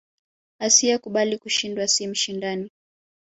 Asiye kubali kushindwa si mshindani